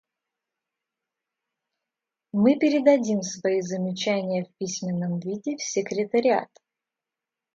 Мы передадим свои замечания в письменном виде в секретариат.